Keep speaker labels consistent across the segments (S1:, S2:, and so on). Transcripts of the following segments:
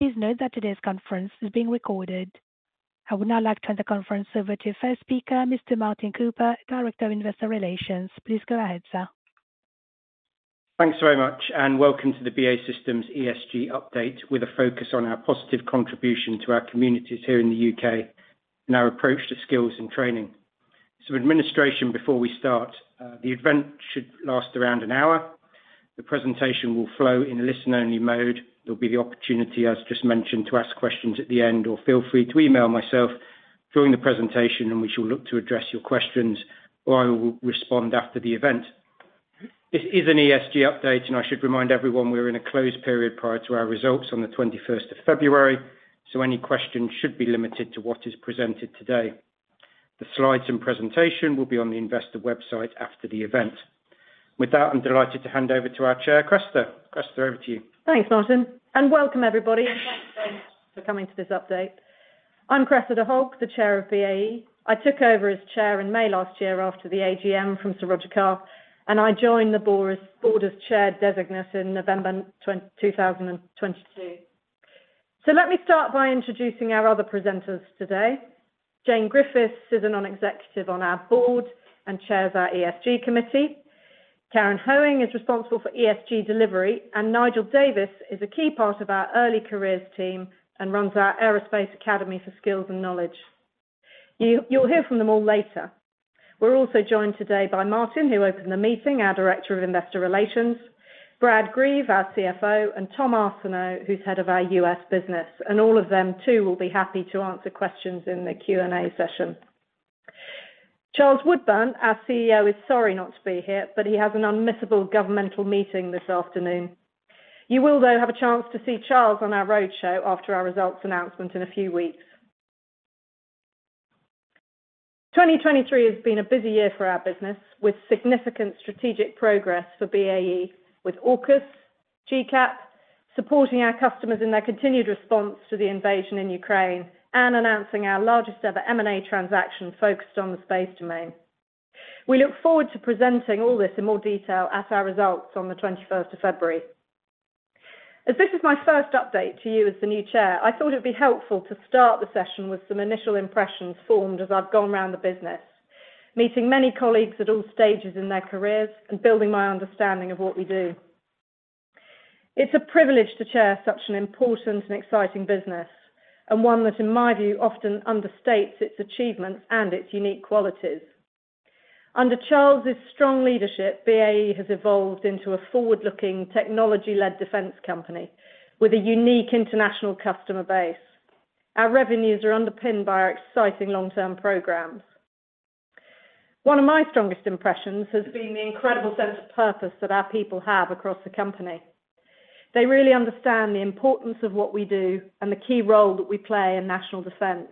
S1: Please note that today's conference is being recorded. I would now like to hand the conference over to our first speaker, Mr. Martin Cooper, Director of Investor Relations. Please go ahead, sir.
S2: Thanks very much, and welcome to the BAE Systems ESG Update, with a focus on our positive contribution to our communities here in the UK and our approach to skills and training. Some administration before we start. The event should last around an hour. The presentation will flow in a listen-only mode. There'll be the opportunity, as just mentioned, to ask questions at the end, or feel free to email myself during the presentation, and we shall look to address your questions, or I will respond after the event. This is an ESG update, and I should remind everyone we're in a closed period prior to our results on the twenty-first of February, so any questions should be limited to what is presented today. The slides and presentation will be on the investor website after the event. With that, I'm delighted to hand over to our Chair, Cressida. Cressida, over to you.
S3: Thanks, Martin, and welcome, everybody. Thanks for coming to this update. I'm Cressida Hogg, the Chair of BAE. I took over as Chair in May last year after the AGM from Sir Roger Carr, and I joined the board as Chair designate in November 2022. So let me start by introducing our other presenters today. Jane Griffiths is a non-executive on our board and chairs our ESG Committee. Karin Hoeing is responsible for ESG delivery, and Nigel Davies is a key part of our early careers team and runs our Aerospace Academy for Skills and Knowledge. You'll hear from them all later. We're also joined today by Martin, who opened the meeting, our Director of Investor Relations, Brad Greve, our CFO, and Tom Arseneault, who's head of our US business, and all of them, too, will be happy to answer questions in the Q&A session. Charles Woodburn, our CEO, is sorry not to be here, but he has an unmissable governmental meeting this afternoon. You will, though, have a chance to see Charles on our roadshow after our results announcement in a few weeks. 2023 has been a busy year for our business, with significant strategic progress for BAE, with AUKUS, GCAP, supporting our customers in their continued response to the invasion in Ukraine, and announcing our largest ever M&A transaction focused on the space domain. We look forward to presenting all this in more detail at our results on the twenty-first of February. As this is my first update to you as the new chair, I thought it'd be helpful to start the session with some initial impressions formed as I've gone around the business, meeting many colleagues at all stages in their careers and building my understanding of what we do. It's a privilege to chair such an important and exciting business, and one that, in my view, often understates its achievements and its unique qualities. Under Charles's strong leadership, BAE has evolved into a forward-looking, technology-led defense company with a unique international customer base. Our revenues are underpinned by our exciting long-term programs. One of my strongest impressions has been the incredible sense of purpose that our people have across the company. They really understand the importance of what we do and the key role that we play in national defense.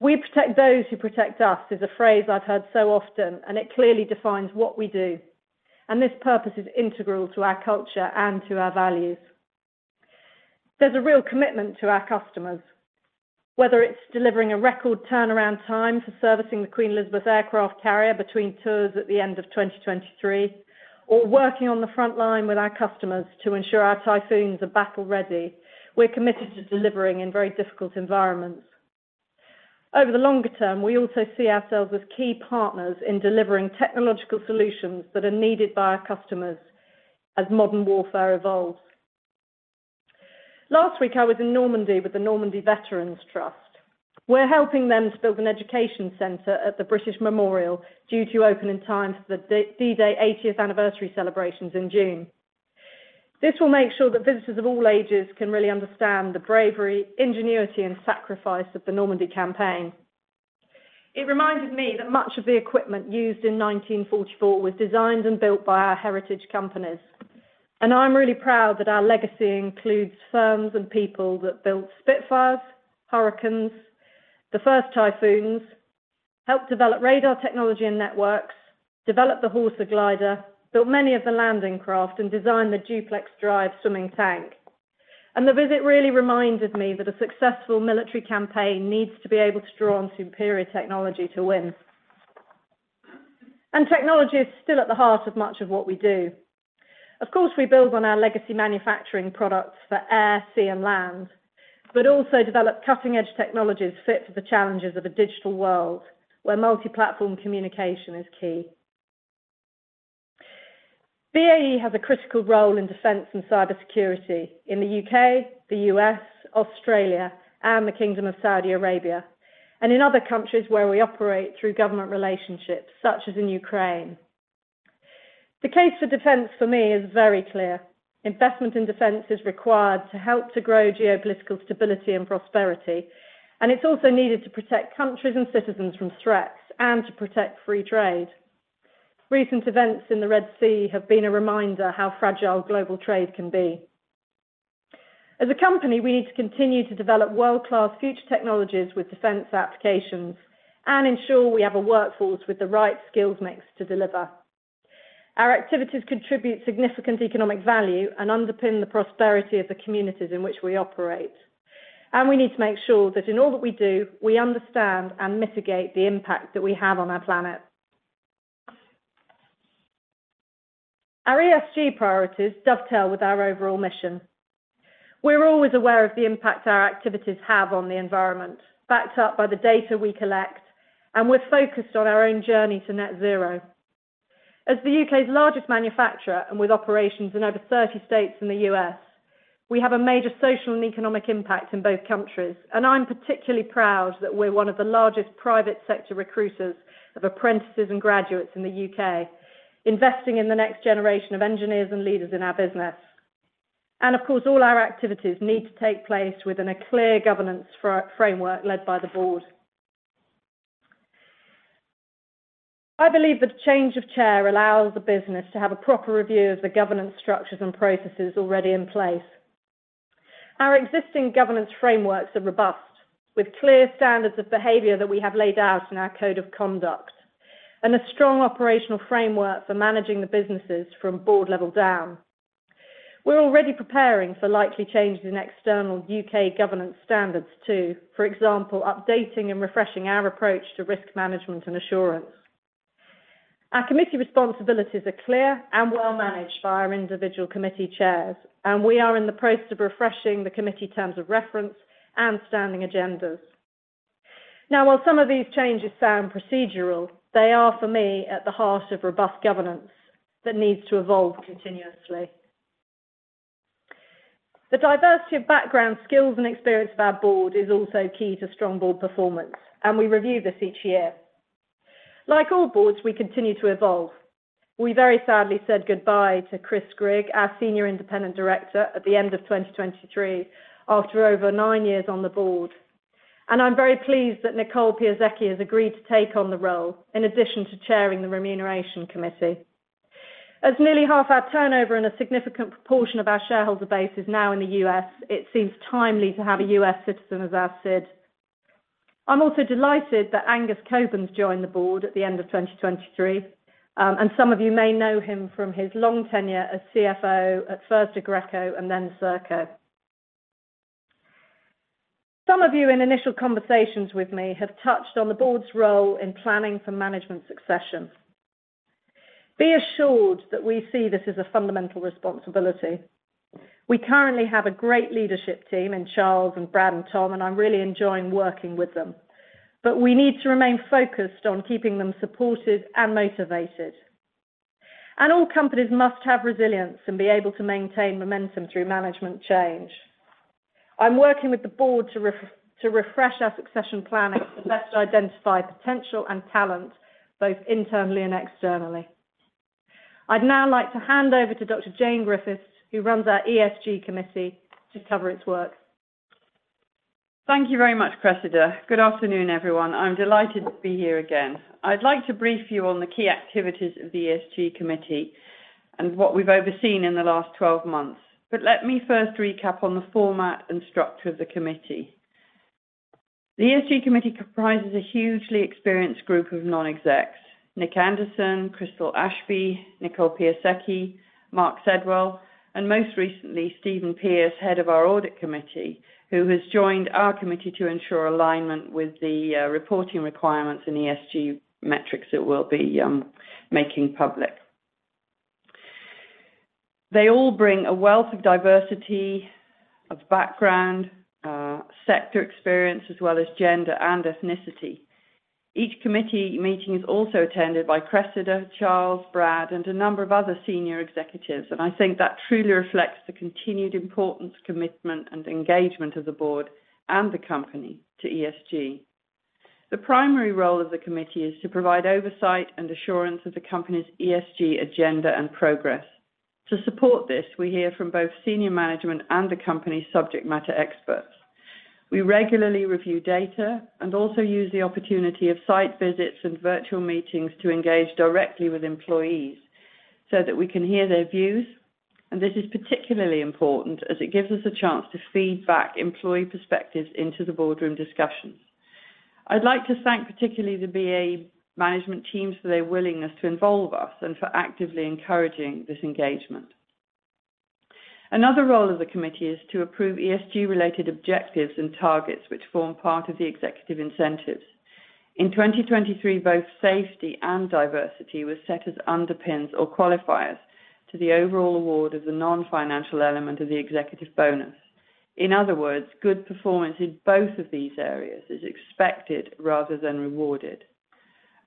S3: We protect those who protect us" is a phrase I've heard so often, and it clearly defines what we do, and this purpose is integral to our culture and to our values. There's a real commitment to our customers, whether it's delivering a record turnaround time for servicing the Queen Elizabeth aircraft carrier between tours at the end of 2023, or working on the front line with our customers to ensure our Typhoons are battle-ready. We're committed to delivering in very difficult environments. Over the longer term, we also see ourselves as key partners in delivering technological solutions that are needed by our customers as modern warfare evolves. Last week, I was in Normandy with the Normandy Memorial Trust. We're helping them build an education center at the British Memorial, due to open in time for the D-Day 80th anniversary celebrations in June. This will make sure that visitors of all ages can really understand the bravery, ingenuity, and sacrifice of the Normandy campaign. It reminded me that much of the equipment used in 1944 was designed and built by our heritage companies, and I'm really proud that our legacy includes firms and people that built Spitfires, Hurricanes, the first Typhoons, helped develop radar technology and networks, developed the Horsa Glider, built many of the landing craft, and designed the Duplex Drive Swimming Tank. The visit really reminded me that a successful military campaign needs to be able to draw on superior technology to win. Technology is still at the heart of much of what we do. Of course, we build on our legacy manufacturing products for air, sea, and land, but also develop cutting-edge technologies fit for the challenges of a digital world, where multi-platform communication is key. BAE has a critical role in defense and cybersecurity in the UK, the US, Australia, and the Kingdom of Saudi Arabia, and in other countries where we operate through government relationships, such as in Ukraine. The case for defense for me is very clear. Investment in defense is required to help to grow geopolitical stability and prosperity, and it's also needed to protect countries and citizens from threats and to protect free trade. Recent events in the Red Sea have been a reminder how fragile global trade can be. As a company, we need to continue to develop world-class future technologies with defense applications and ensure we have a workforce with the right skills mix to deliver. Our activities contribute significant economic value and underpin the prosperity of the communities in which we operate, and we need to make sure that in all that we do, we understand and mitigate the impact that we have on our planet. Our ESG priorities dovetail with our overall mission. We're always aware of the impact our activities have on the environment, backed up by the data we collect, and we're focused on our own journey to net zero. As the UK's largest manufacturer, and with operations in over 30 states in the US, we have a major social and economic impact in both countries, and I'm particularly proud that we're one of the largest private sector recruiters of apprentices and graduates in the UK, investing in the next generation of engineers and leaders in our business. Of course, all our activities need to take place within a clear governance framework led by the board. I believe the change of chair allows the business to have a proper review of the governance structures and processes already in place. Our existing governance frameworks are robust, with clear standards of behavior that we have laid out in our Code of Conduct, and a strong operational framework for managing the businesses from board level down. We're already preparing for likely changes in external UK governance standards too. For example, updating and refreshing our approach to Risk Management and assurance. Our committee responsibilities are clear and well managed by our individual committee chairs, and we are in the process of refreshing the committee terms of reference and standing agendas. Now, while some of these changes sound procedural, they are, for me, at the heart of robust governance that needs to evolve continuously. The diversity of background, skills, and experience of our board is also key to strong board performance, and we review this each year. Like all boards, we continue to evolve. We very sadly said goodbye to Chris Grigg, our senior independent director, at the end of 2023, after over nine years on the board, and I'm very pleased that Nicole Piasecki has agreed to take on the role, in addition to chairing the Remuneration Committee. As nearly half our turnover and a significant proportion of our shareholder base is now in the US, it seems timely to have a US citizen as our SID. I'm also delighted that Angus Cockburn's joined the board at the end of 2023, and some of you may know him from his long tenure as CFO at first Aggreko and then Serco. Some of you, in initial conversations with me, have touched on the board's role in planning for management succession. Be assured that we see this as a fundamental responsibility. We currently have a great leadership team in Charles and Brad and Tom, and I'm really enjoying working with them. But we need to remain focused on keeping them supported and motivated. And all companies must have resilience and be able to maintain momentum through management change. I'm working with the board to refresh our succession planning to best identify potential and talent, both internally and externally. I'd now like to hand over to Dr. Jane Griffiths, who runs our ESG committee, to cover its work.
S4: Thank you very much, Cressida. Good afternoon, everyone. I'm delighted to be here again. I'd like to brief you on the key activities of the ESG committee and what we've overseen in the last 12 months. But let me first recap on the format and structure of the committee. The ESG committee comprises a hugely experienced group of non-execs: Nick Anderson, Crystal Ashby, Nicole Piasecki, Mark Sedwill, and most recently, Stephen Pearce, head of our Audit Committee, who has joined our committee to ensure alignment with the reporting requirements and ESG metrics that we'll be making public. They all bring a wealth of diversity, of background, sector experience, as well as gender and ethnicity. Each committee meeting is also attended by Cressida, Charles, Brad, and a number of other senior executives, and I think that truly reflects the continued importance, commitment, and engagement of the board and the company to ESG. The primary role of the committee is to provide oversight and assurance of the company's ESG agenda and progress. To support this, we hear from both senior management and the company's subject matter experts. We regularly review data and also use the opportunity of site visits and virtual meetings to engage directly with employees so that we can hear their views, and this is particularly important, as it gives us a chance to feed back employee perspectives into the boardroom discussions. I'd like to thank, particularly the BAE management team, for their willingness to involve us and for actively encouraging this engagement. Another role of the committee is to approve ESG-related objectives and targets, which form part of the executive incentives. In 2023, both safety and diversity were set as underpins or qualifiers to the overall award of the non-financial element of the executive bonus. In other words, good performance in both of these areas is expected rather than rewarded.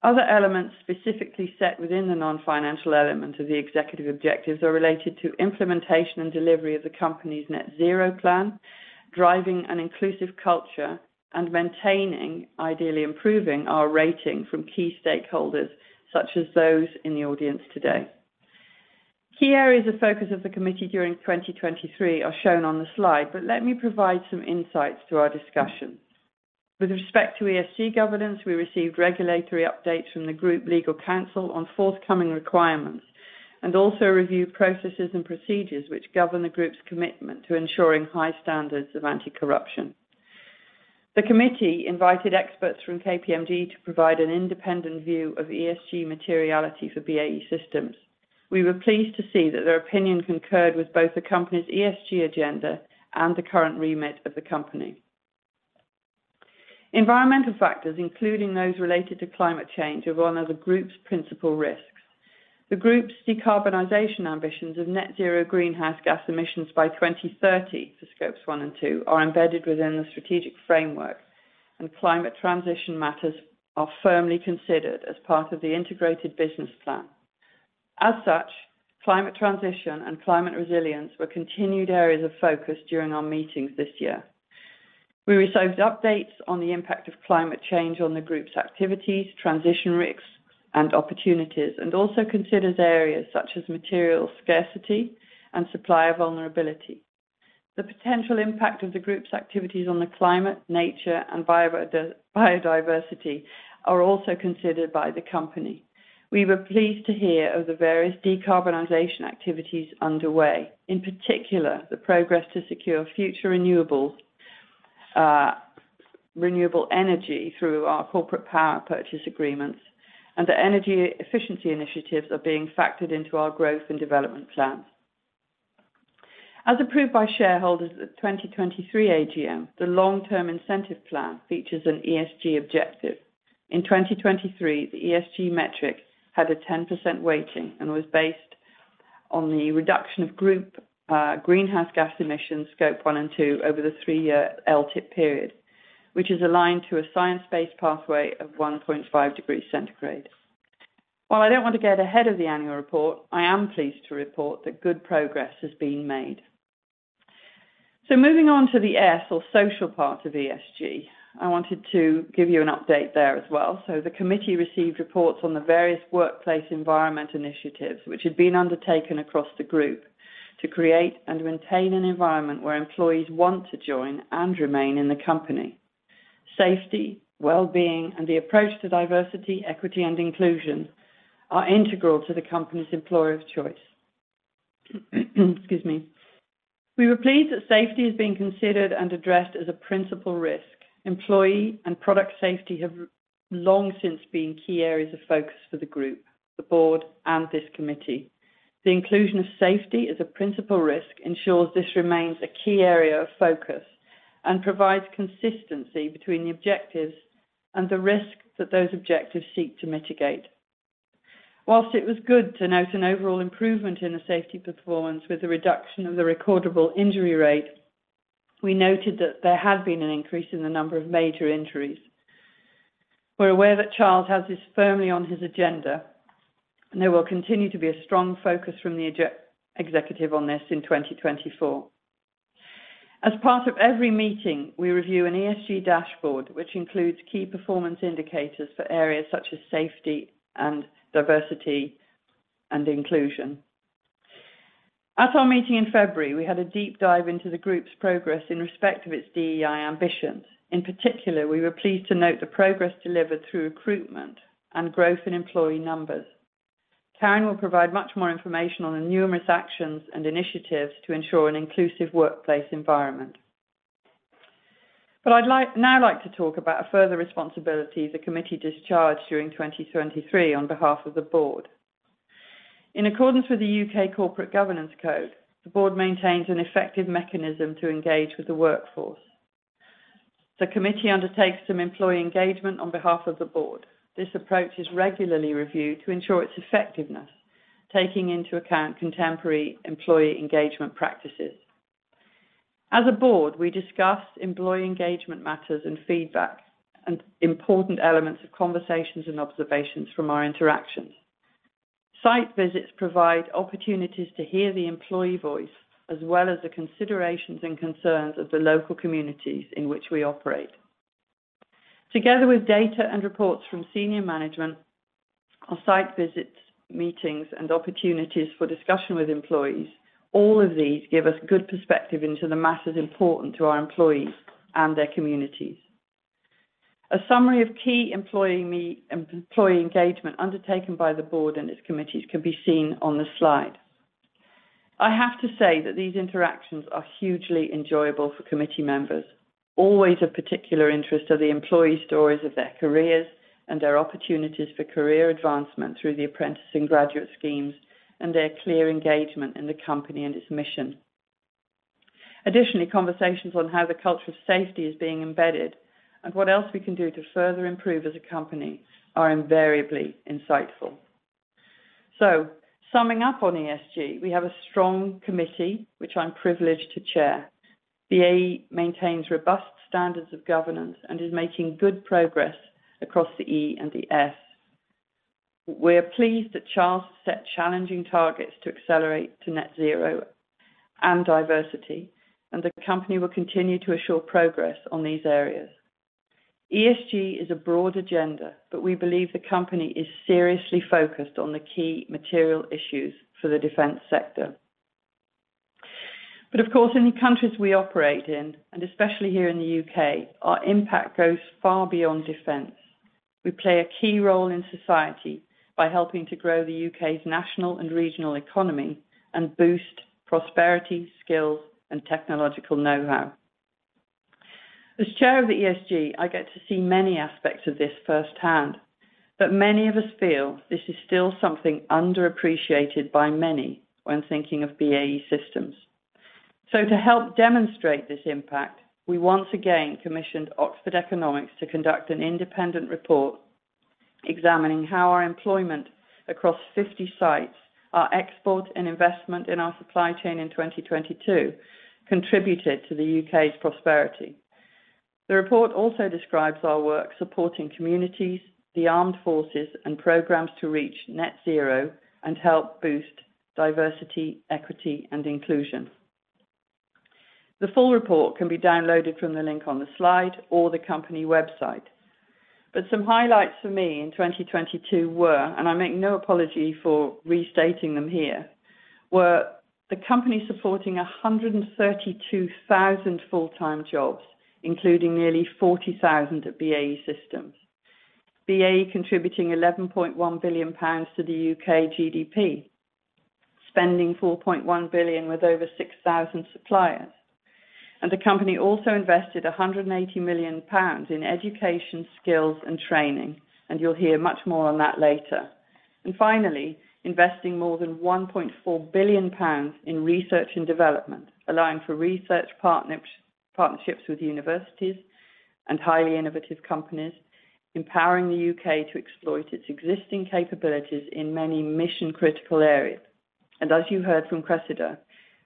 S4: Other elements specifically set within the non-financial element of the executive objectives are related to implementation and delivery of the company's Net Zero plan, driving an inclusive culture, and maintaining, ideally improving, our rating from key stakeholders, such as those in the audience today. Key areas of focus of the committee during 2023 are shown on the slide, but let me provide some insights to our discussions. With respect to ESG governance, we received regulatory updates from the group legal counsel on forthcoming requirements, and also reviewed processes and procedures which govern the group's commitment to ensuring high standards of anti-corruption. The committee invited experts from KPMG to provide an independent view of ESG materiality for BAE Systems. We were pleased to see that their opinion concurred with both the company's ESG agenda and the current remit of the company. Environmental factors, including those related to climate change, are one of the group's principal risks. The group's decarbonization ambitions of Net Zero greenhouse gas emissions by 2030 for Scope 1 and 2 are embedded within the strategic framework, and climate transition matters are firmly considered as part of the integrated business plan. As such, climate transition and climate resilience were continued areas of focus during our meetings this year. We received updates on the impact of climate change on the group's activities, transition risks and opportunities, and also considered areas such as material scarcity and supplier vulnerability. The potential impact of the group's activities on the climate, nature, and biodiversity are also considered by the company. We were pleased to hear of the various decarbonization activities underway, in particular, the progress to secure future renewable energy through our corporate power purchase agreements, and the energy efficiency initiatives are being factored into our growth and development plans. As approved by shareholders at the 2023 AGM, the long-term incentive plan features an ESG objective. In 2023, the ESG metrics had a 10% weighting and was based on the reduction of group greenhouse gas emissions, Scope one and two, over the three-year LTIP period, which is aligned to a science-based pathway of 1.5 degrees centigrade. While I don't want to get ahead of the annual report, I am pleased to report that good progress has been made. Moving on to the S or social part of ESG, I wanted to give you an update there as well. The committee received reports on the various workplace environment initiatives, which had been undertaken across the group, to create and maintain an environment where employees want to join and remain in the company. Safety, well-being, and the approach to diversity, equity, and inclusion are integral to the company's employer of choice. Excuse me. We were pleased that safety is being considered and addressed as a principal risk. Employee and product safety have long since been key areas of focus for the Group, the Board, and this Committee. The inclusion of safety as a principal risk ensures this remains a key area of focus and provides consistency between the objectives and the risks that those objectives seek to mitigate. While it was good to note an overall improvement in the safety performance with a reduction of the recordable injury rate, we noted that there had been an increase in the number of major injuries. We're aware that Charles has this firmly on his agenda, and there will continue to be a strong focus from the executive on this in 2024. As part of every meeting, we review an ESG dashboard, which includes key performance indicators for areas such as safety, diversity, and inclusion. At our meeting in February, we had a deep dive into the group's progress in respect of its DEI ambitions. In particular, we were pleased to note the progress delivered through recruitment and growth in employee numbers. Karin will provide much more information on the numerous actions and initiatives to ensure an inclusive workplace environment. But I'd like now to talk about a further responsibility the committee discharged during 2023 on behalf of the board. In accordance with the UK Corporate Governance Code, the Board maintains an effective mechanism to engage with the workforce. The committee undertakes some employee engagement on behalf of the board. This approach is regularly reviewed to ensure its effectiveness, taking into account contemporary employee engagement practices. As a board, we discuss employee engagement matters and feedback, and important elements of conversations and observations from our interactions. Site visits provide opportunities to hear the employee voice, as well as the considerations and concerns of the local communities in which we operate. Together with data and reports from senior management on site visits, meetings, and opportunities for discussion with employees, all of these give us good perspective into the matters important to our employees and their communities. A summary of key employee engagement undertaken by the board and its committees can be seen on the slide. I have to say that these interactions are hugely enjoyable for committee members. Always of particular interest are the employee stories of their careers and their opportunities for career advancement through the apprentice and graduate schemes, and their clear engagement in the company and its mission. Additionally, conversations on how the culture of safety is being embedded and what else we can do to further improve as a company are invariably insightful. So summing up on ESG, we have a strong committee, which I'm privileged to chair. BAE maintains robust standards of governance and is making good progress across the E and the S. We are pleased that Charles set challenging targets to accelerate to Net Zero and diversity, and the company will continue to ensure progress on these areas. ESG is a broad agenda, but we believe the company is seriously focused on the key material issues for the defense sector. But of course, in the countries we operate in, and especially here in the UK, our impact goes far beyond defense. We play a key role in society by helping to grow the UK's national and regional economy and boost prosperity, skills, and technological know-how. As Chair of the ESG, I get to see many aspects of this firsthand, but many of us feel this is still something underappreciated by many when thinking of BAE Systems. So to help demonstrate this impact, we once again commissioned Oxford Economics to conduct an independent report examining how our employment across 50 sites, our export and investment in our supply chain in 2022, contributed to the UK's prosperity. The report also describes our work supporting communities, the armed forces, and programs to reach Net Zero and help boost Diversity, Equity, and Inclusion. The full report can be downloaded from the link on the slide or the company website. But some highlights for me in 2022 were, and I make no apology for restating them here, the company supporting 132,000 full-time jobs, including nearly 40,000 at BAE Systems. BAE contributing 11.1 billion pounds to the UK GDP, spending 4.1 billion with over 6,000 suppliers. The company also invested 180 million pounds in education, skills, and training, and you'll hear much more on that later. Finally, investing more than 1.4 billion pounds in research and development, allowing for research partnerships with universities and highly innovative companies, empowering the UK to exploit its existing capabilities in many mission-critical areas. And as you heard from Cressida,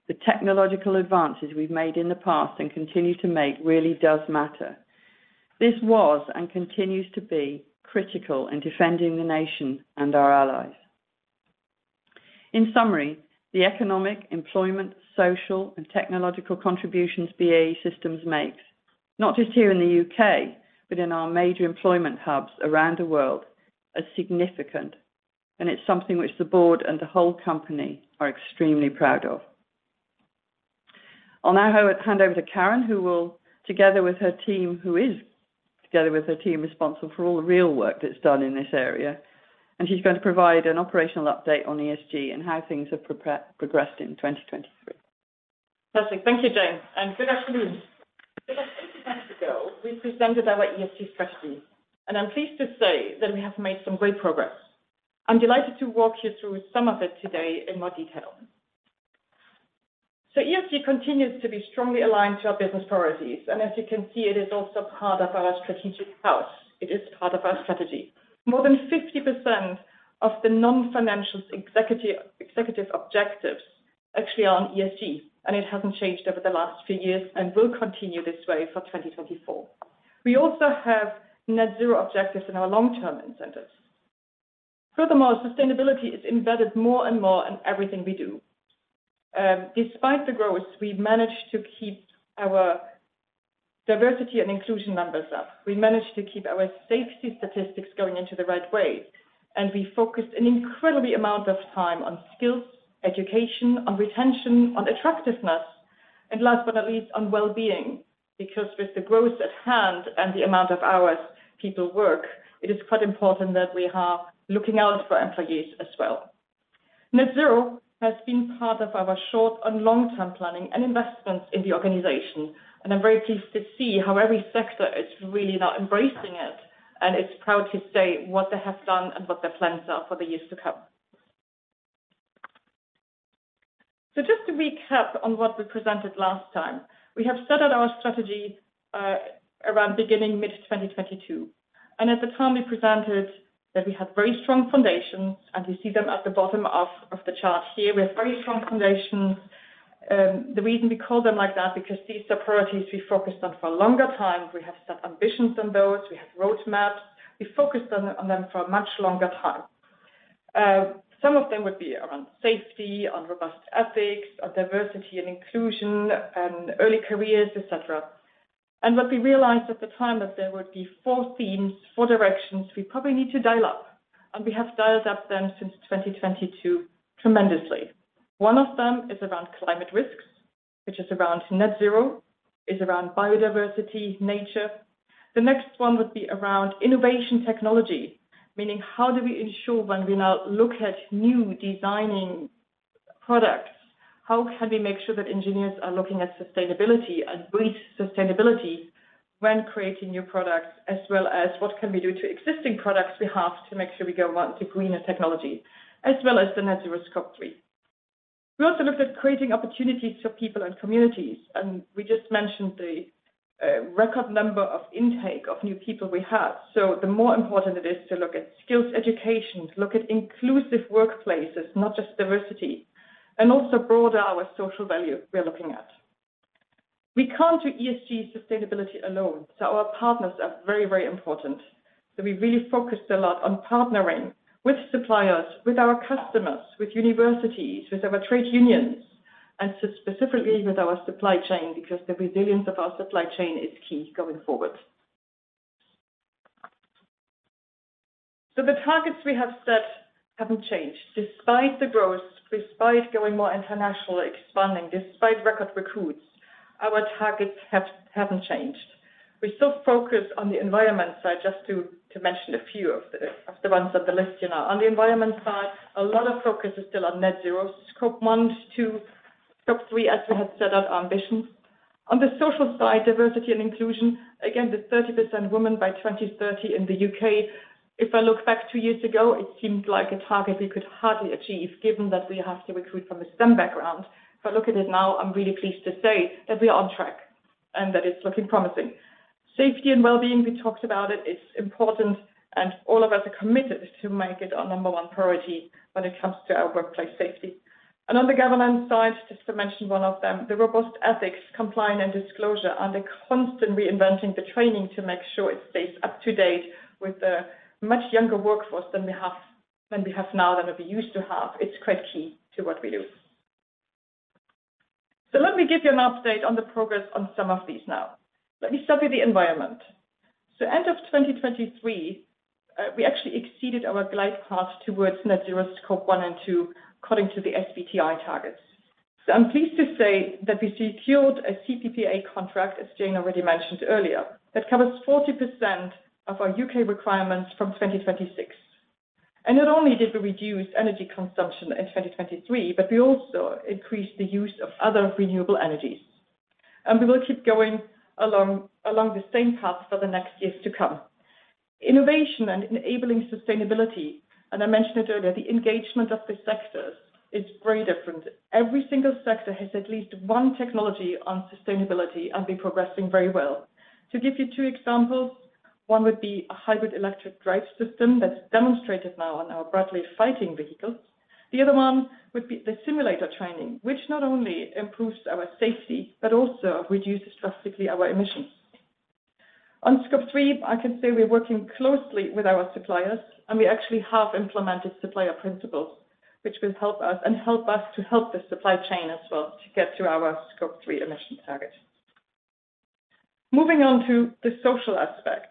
S4: the technological advances we've made in the past and continue to make really does matter. This was, and continues to be, critical in defending the nation and our allies. In summary, the economic, employment, social, and technological contributions BAE Systems makes, not just here in the UK, but in our major employment hubs around the world, are significant, and it's something which the board and the whole company are extremely proud of. I'll now hand over to Karin, who will, together with her team, who is, together with her team, responsible for all the real work that's done in this area, and she's going to provide an operational update on ESG and how things have progressed in 2023.
S5: Perfect. Thank you, Jane, and good afternoon. About eighteen months ago, we presented our ESG strategy, and I'm pleased to say that we have made some great progress. I'm delighted to walk you through some of it today in more detail. ESG continues to be strongly aligned to our business priorities, and as you can see, it is also part of our strategic house. It is part of our strategy. More than 50% of the non-financial executive, executive objectives actually are on ESG, and it hasn't changed over the last few years and will continue this way for 2024. We also have Net Zero objectives in our long-term incentives. Furthermore, sustainability is embedded more and more in everything we do. Despite the growth, we've managed to keep our diversity and inclusion numbers up. We managed to keep our safety statistics going into the right way, and we focused an incredible amount of time on skills, education, on retention, on attractiveness, and last but not least, on well-being, because with the growth at hand and the amount of hours people work, it is quite important that we are looking out for employees as well. Net Zero has been part of our short and long-term planning and investments in the organization, and I'm very pleased to see how every sector is really now embracing it, and is proud to say what they have done and what their plans are for the years to come. So just to recap on what we presented last time, we have set out our strategy around beginning mid-2022, and at the time, we presented that we had very strong foundations, and you see them at the bottom of, of the chart here. We have very strong foundations. The reason we call them like that because these are priorities we focused on for a longer time. We have set ambitions on those; we have roadmaps. We focused on, on them for a much longer time. Some of them would be around safety, on robust ethics, on diversity and inclusion, and early careers, et cetera. And what we realized at the time, that there would be four themes, four directions we probably need to dial up, and we have dialed up them since 2022 tremendously. One of them is around climate risks, which is around Net Zero, is around biodiversity, nature. The next one would be around innovation technology, meaning, how do we ensure when we now look at new designing products, how can we make sure that engineers are looking at sustainability and brief sustainability when creating new products, as well as what can we do to existing products we have to make sure we go on to greener technology, as well as the Net Zero Scope 3? We also looked at creating opportunities for people and communities, and we just mentioned the record number of intake of new people we have. So the more important it is to look at skills education, to look at inclusive workplaces, not just diversity, and also broader our social value we are looking at. We can't do ESG sustainability alone, so our partners are very, very important. So we really focused a lot on partnering with suppliers, with our customers, with universities, with our trade unions, and specifically with our supply chain, because the resilience of our supply chain is key going forward. So the targets we have set haven't changed. Despite the growth, despite going more international, expanding, despite record recruits, our targets haven't changed. We're still focused on the environment side, just to mention a few of the ones on the list here now. On the environment side, a lot of focus is still on Net Zero, Scope I, II, Scope III, as we have set out our ambition.... On the social side, diversity and inclusion, again, the 30% women by 2030 in the UK. If I look back two years ago, it seemed like a target we could hardly achieve, given that we have to recruit from a STEM background. But looking at it now, I'm really pleased to say that we are on track and that it's looking promising. Safety and well-being, we talked about it, it's important, and all of us are committed to make it our number one priority when it comes to our workplace safety. On the governance side, just to mention one of them, the robust ethics, compliance, and disclosure, and the constantly reinventing the training to make sure it stays up to date with the much younger workforce than we have, than we have now, than we used to have, it's quite key to what we do. Let me give you an update on the progress on some of these now. Let me start with the environment. End of 2023, we actually exceeded our glide path towards Net Zero Scope 1 and 2, according to the SBTi targets. I'm pleased to say that we secured a CPPA contract, as Jane already mentioned earlier, that covers 40% of our UK requirements from 2026. Not only did we reduce energy consumption in 2023, but we also increased the use of other renewable energies. We will keep going along the same path for the next years to come. Innovation and enabling sustainability, and I mentioned it earlier, the engagement of the sectors is very different. Every single sector has at least one technology on sustainability, and they're progressing very well. To give you two examples, one would be a hybrid electric drive system that's demonstrated now on our Bradley Fighting Vehicles. The other one would be the simulator training, which not only improves our safety drastically but also reduces drastically our emissions. On Scope III, I can say we're working closely with our suppliers, and we actually have implemented supplier principles, which will help us, and help us to help the supply chain as well to get to our Scope 3 emission target. Moving on to the social aspect,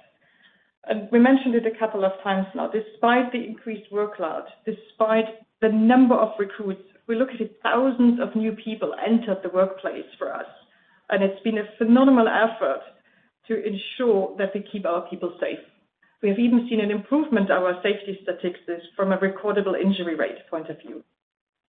S5: and we mentioned it a couple of times now, despite the increased workload, despite the number of recruits, we look at it, thousands of new people entered the workplace for us, and it's been a phenomenal effort to ensure that we keep our people safe. We have even seen an improvement in our safety statistics from a recordable injury rate point of view.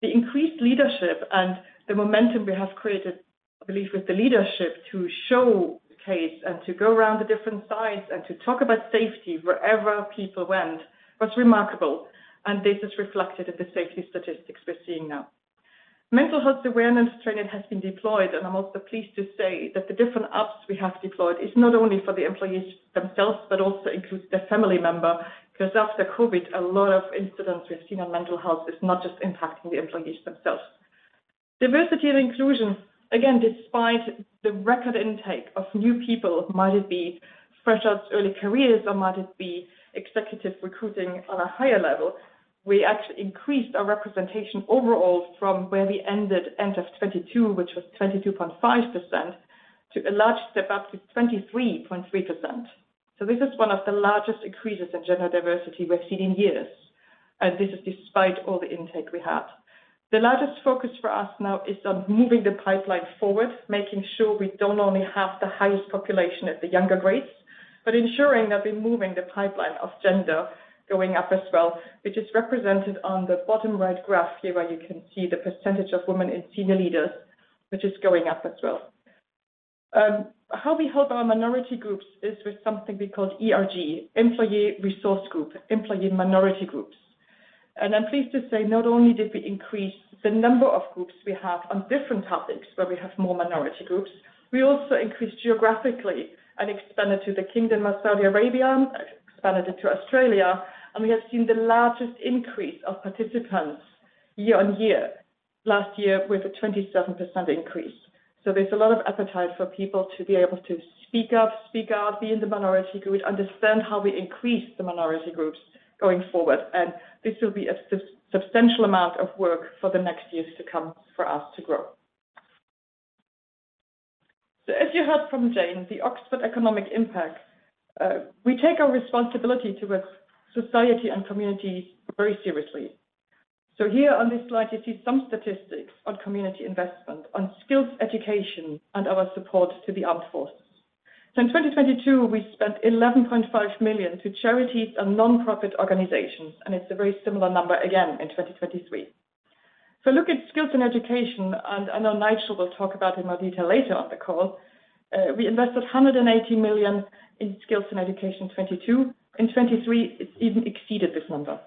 S5: The increased leadership and the momentum we have created, I believe, with the leadership to show the case and to go around the different sites and to talk about safety wherever people went, was remarkable, and this is reflected in the safety statistics we're seeing now. Mental health awareness training has been deployed, and I'm also pleased to say that the different apps we have deployed is not only for the employees themselves, but also includes their family member, because after COVID, a lot of incidents we've seen on mental health is not just impacting the employees themselves. Diversity and inclusion, again, despite the record intake of new people, might it be fresh out early careers or might it be executive recruiting on a higher level, we actually increased our representation overall from where we ended, end of 2022, which was 22.5%, to a large step up to 23.3%. So this is one of the largest increases in gender diversity we've seen in years, and this is despite all the intake we have. The largest focus for us now is on moving the pipeline forward, making sure we don't only have the highest population at the younger grades, but ensuring that we're moving the pipeline of gender going up as well, which is represented on the bottom right graph here, where you can see the percentage of women in senior leaders, which is going up as well. How we help our minority groups is with something we call ERG, Employee Resource Group, employee minority groups. And I'm pleased to say, not only did we increase the number of groups we have on different topics, where we have more minority groups, we also increased geographically and expanded to the Kingdom of Saudi Arabia, expanded into Australia, and we have seen the largest increase of participants year on year, last year with a 27% increase. So there's a lot of appetite for people to be able to speak up, speak out, be in the minority group, understand how we increase the minority groups going forward, and this will be a substantial amount of work for the next years to come for us to grow. So as you heard from Jane, the Oxford Economics, we take our responsibility towards society and community very seriously. So here on this slide, you see some statistics on community investment, on skills, education, and our support to the armed forces. So in 2022, we spent 11.5 million to charities and nonprofit organizations, and it's a very similar number, again, in 2023. So look at skills and education, and I know Nigel will talk about in more detail later on the call. We invested 180 million in skills and education in 2022. In 2023, it's even exceeded this number.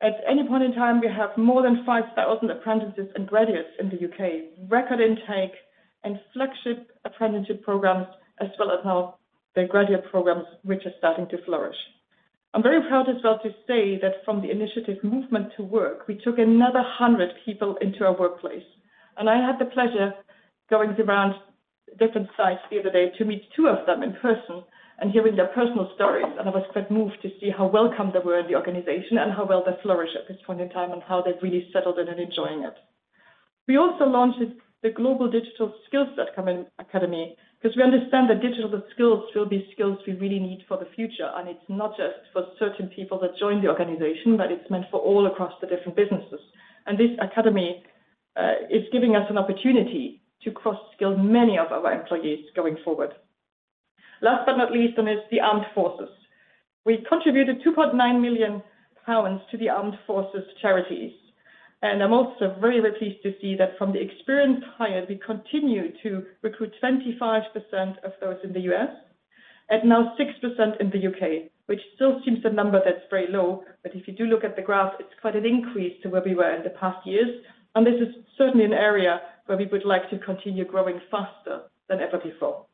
S5: At any point in time, we have more than 5,000 apprentices and graduates in the UK, record intake and flagship apprenticeship programs, as well as now the graduate programs, which are starting to flourish. I'm very proud as well to say that from the initiative Movement to Work, we took another 100 people into our workplace, and I had the pleasure of going around different sites the other day to meet two of them in person and hearing their personal stories. I was quite moved to see how welcome they were in the organization and how well they flourish at this point in time, and how they've really settled in and enjoying it. We also launched the Global Digital Skills Academy, because we understand that digital skills will be skills we really need for the future. It's not just for certain people that join the organization, but it's meant for all across the different businesses. This academy is giving us an opportunity to cross-skill many of our employees going forward. Last but not least, is the armed forces. We contributed 2.9 million pounds to the armed forces charities, and I'm also very pleased to see that from the experienced hire, we continue to recruit 25% of those in the US, and now 6% in the UK, which still seems a number that's very low, but if you do look at the graph, it's quite an increase to where we were in the past years, and this is certainly an area where we would like to continue growing faster than ever before.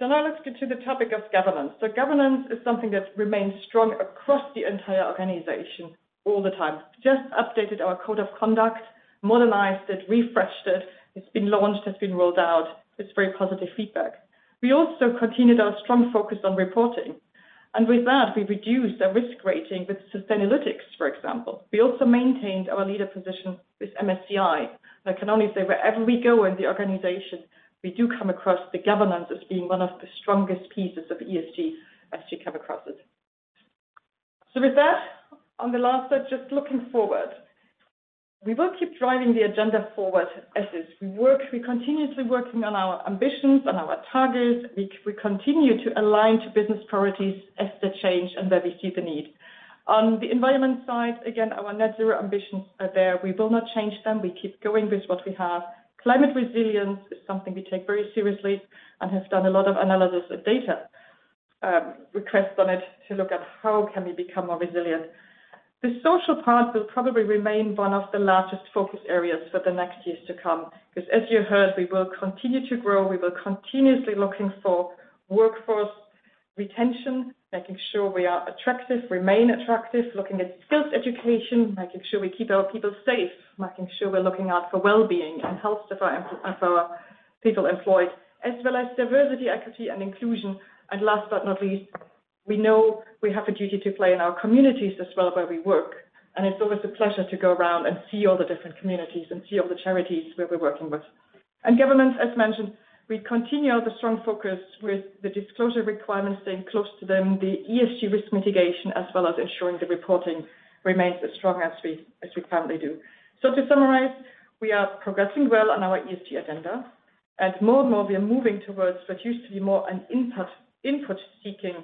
S5: So now let's get to the topic of governance. So governance is something that remains strong across the entire organization all the time. Just updated our code of conduct, modernized it, refreshed it. It's been launched, it's been rolled out with very positive feedback. We also continued our strong focus on reporting, and with that, we reduced the risk rating with Sustainalytics, for example. We also maintained our leader position with MSCI. I can only say wherever we go in the organization, we do come across the governance as being one of the strongest pieces of ESG as you come across it. So with that, on the last slide, just looking forward. We will keep driving the agenda forward as is. We're continuously working on our ambitions and our targets. We, we continue to align to business priorities as they change and where we see the need. On the environment side, again, our Net Zero ambitions are there. We will not change them. We keep going with what we have. Climate resilience is something we take very seriously and have done a lot of analysis of data, requests on it to look at how can we become more resilient. The social part will probably remain one of the largest focus areas for the next years to come, 'cause as you heard, we will continue to grow, we will continuously looking for workforce retention, making sure we are attractive, remain attractive, looking at skills education, making sure we keep our people safe, making sure we're looking out for well-being and health of our people employed, as well as diversity, equity, and inclusion. And last but not least, we know we have a duty to play in our communities as well, where we work, and it's always a pleasure to go around and see all the different communities and see all the charities where we're working with. And governance, as mentioned, we continue the strong focus with the disclosure requirements, staying close to them, the ESG risk mitigation, as well as ensuring the reporting remains as strong as we, as we currently do. So to summarize, we are progressing well on our ESG agenda. As more and more, we are moving towards what used to be more an input, input seeking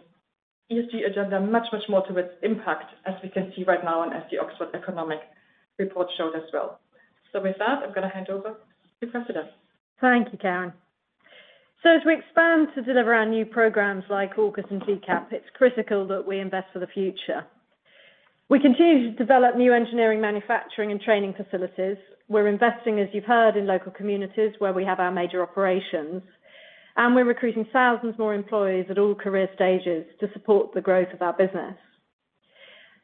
S5: ESG agenda, much, much more towards impact, as we can see right now and as the Oxford Economics report showed as well. So with that, I'm going to hand over to Cressida.
S3: Thank you, Karin. So as we expand to deliver our new programs like AUKUS and GCAP, it's critical that we invest for the future. We continue to develop new engineering, manufacturing, and training facilities. We're investing, as you've heard, in local communities where we have our major operations, and we're recruiting thousands more employees at all career stages to support the growth of our business.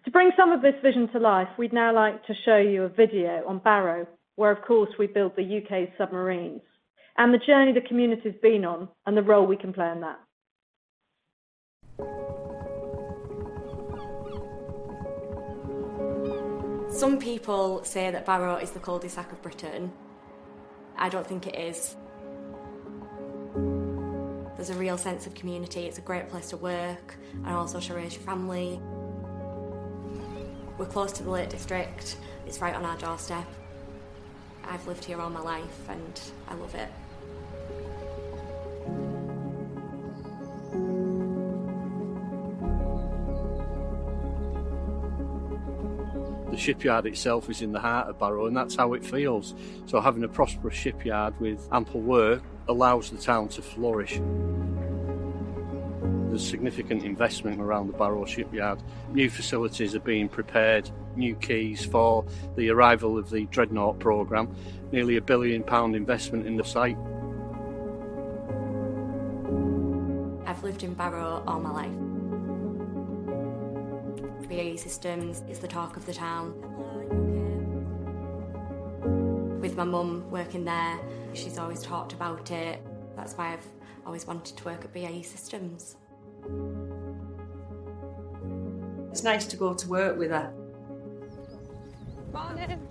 S3: To bring some of this vision to life, we'd now like to show you a video on Barrow, where, of course, we build the UK's submarines, and the journey the community's been on and the role we can play in that.
S6: Some people say that Barrow is the cul-de-sac of Britain. I don't think it is. There's a real sense of community. It's a great place to work and also to raise your family. We're close to the Lake District. It's right on our doorstep. I've lived here all my life, and I love it.
S7: The shipyard itself is in the heart of Barrow, and that's how it feels. So having a prosperous shipyard with ample work allows the town to flourish. There's significant investment around the Barrow shipyard. New facilities are being prepared, new quays for the arrival of the Dreadnought program, nearly 1 billion pound investment in the site.
S6: I've lived in Barrow all my life. BAE Systems is the talk of the town. Hello, you okay? With my mum working there, she's always talked about it. That's why I've always wanted to work at BAE Systems.
S5: It's nice to go to work with her. Morning!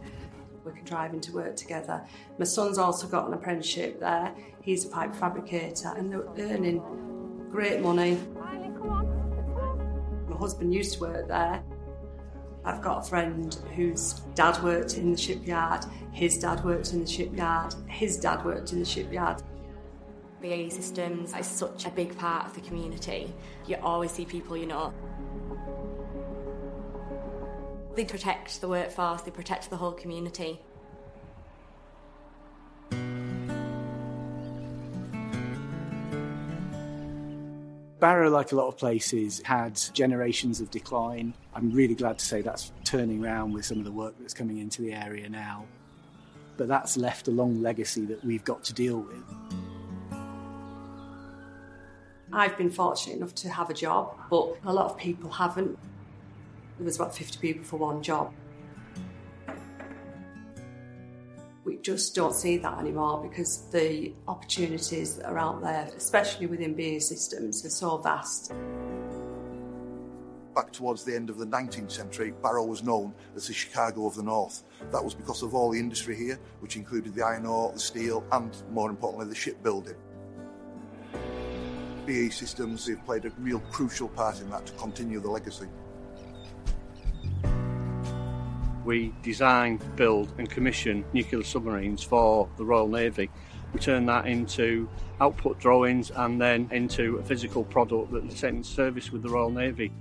S5: We can drive into work together. My son's also got an apprenticeship there. He's a pipe fabricator, and they're earning great money. Riley, come on. Let's go! My husband used to work there. I've got a friend whose dad worked in the shipyard. His dad worked in the shipyard. His dad worked in the shipyard.
S6: BAE Systems is such a big part of the community. You always see people you know. They protect the workforce, they protect the whole community.
S8: Barrow, like a lot of places, had generations of decline. I'm really glad to say that's turning around with some of the work that's coming into the area now. But that's left a long legacy that we've got to deal with.
S5: I've been fortunate enough to have a job, but a lot of people haven't. There was about 50 people for one job. We just don't see that anymore because the opportunities that are out there, especially within BAE Systems, are so vast.
S7: Back towards the end of the nineteenth century, Barrow was known as the Chicago of the North. That was because of all the industry here, which included the iron ore, the steel, and more importantly, the shipbuilding. BAE Systems have played a real crucial part in that to continue the legacy.... We design, build, and commission nuclear submarines for the Royal Navy. We turn that into output drawings and then into a physical product that is in service with the Royal Navy.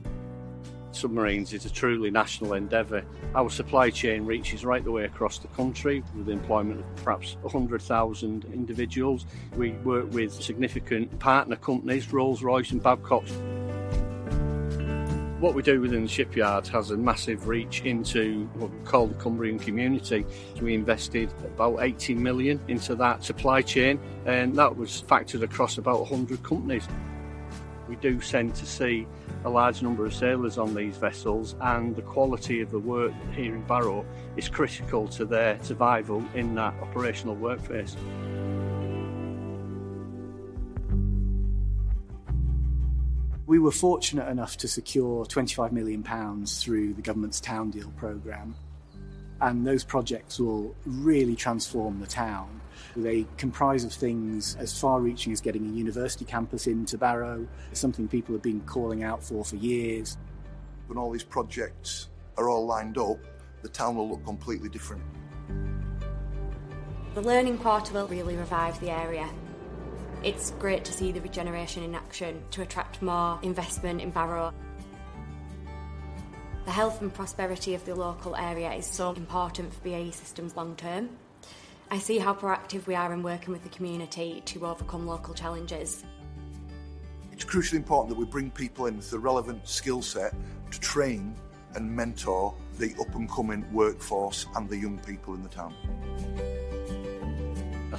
S7: Submarines is a truly national endeavor. Our supply chain reaches right the way across the country, with the employment of perhaps 100,000 individuals. We work with significant partner companies, Rolls-Royce and Babcock. What we do within the shipyard has a massive reach into what we call the Cumbrian community. We invested about 80 million into that supply chain, and that was factored across about 100 companies. We do send to sea a large number of sailors on these vessels, and the quality of the work here in Barrow is critical to their survival in that operational workspace.
S8: We were fortunate enough to secure 25 million pounds through the government's Town Deal program, and those projects will really transform the town. They comprise of things as far-reaching as getting a university campus into Barrow. It's something people have been calling out for, for years.
S9: When all these projects are all lined up, the town will look completely different.
S6: The Learning Quarter will really revive the area. It's great to see the regeneration in action to attract more investment in Barrow. The health and prosperity of the local area is so important for BAE Systems long term. I see how proactive we are in working with the community to overcome local challenges.
S9: It's crucially important that we bring people in with the relevant skill set to train and mentor the up-and-coming workforce and the young people in the town.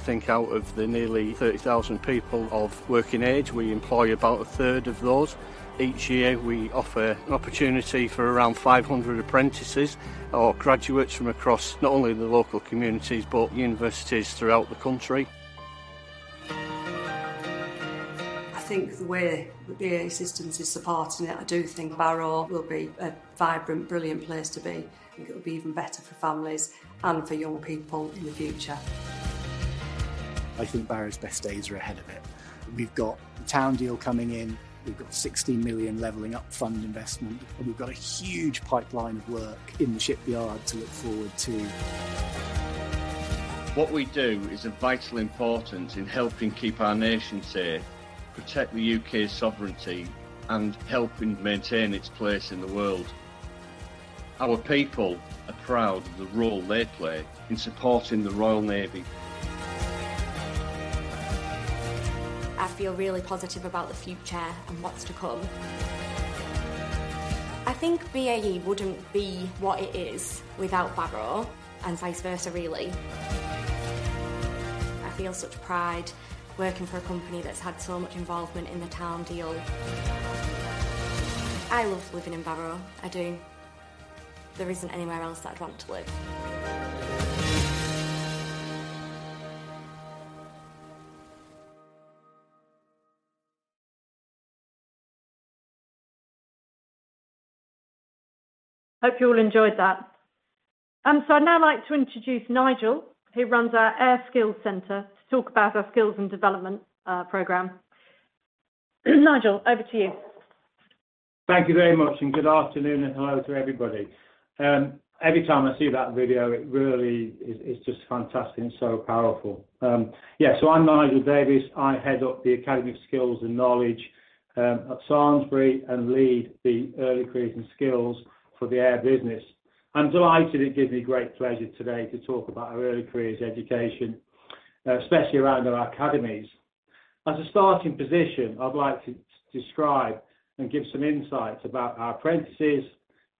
S7: I think out of the nearly 30,000 people of working age, we employ about a third of those. Each year, we offer an opportunity for around 500 apprentices or graduates from across not only the local communities, but universities throughout the country.
S10: I think the way that BAE Systems is supporting it, I do think Barrow will be a vibrant, brilliant place to be. I think it'll be even better for families and for young people in the future.
S8: I think Barrow's best days are ahead of it. We've got the Town Deal coming in. We've got 60 million Levelling Up Fund investment, and we've got a huge pipeline of work in the shipyard to look forward to.
S7: What we do is of vital importance in helping keep our nation safe, protect the UK's sovereignty, and helping maintain its place in the world. Our people are proud of the role they play in supporting the Royal Navy.
S6: I feel really positive about the future and what's to come. I think BAE wouldn't be what it is without Barrow, and vice versa, really. I feel such pride working for a company that's had so much involvement in the Town Deal. I love living in Barrow. I do. There isn't anywhere else that I'd want to live.
S3: Hope you all enjoyed that. I'd now like to introduce Nigel, who runs our Air Skills Centre, to talk about our skills and development program. Nigel, over to you.
S11: Thank you very much, and good afternoon, and hello to everybody. Every time I see that video, it really is just fantastic and so powerful. Yeah, so I'm Nigel Davies. I head up the Academy for Skills and Knowledge at Farnborough, and lead the early careers and skills for the air business. I'm delighted. It gives me great pleasure today to talk about our early careers education, especially around our academies. As a starting position, I'd like to describe and give some insights about our apprentices,